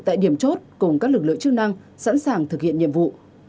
tại điểm chốt cùng các lực lượng chức năng sẵn sàng thực hiện nhiệm vụ